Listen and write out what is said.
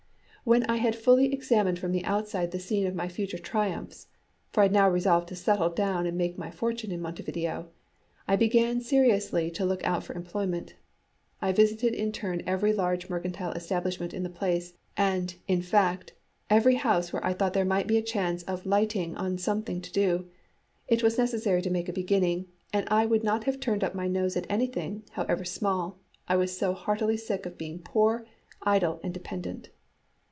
When I had fully examined from the outside the scene of my future triumphs for I had now resolved to settle down and make my fortune in Montevideo Ibegan seriously to look out for employment. I visited in turn every large mercantile establishment in the place, and, in fact, every house where I thought there might be a chance of lighting on something to do. It was necessary to make a beginning, and I would not have turned up my nose at anything, however small, I was so heartily sick of being poor, idle, and dependent.